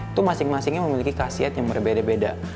itu masing masingnya memiliki khasiat yang berbeda beda